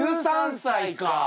１３歳か！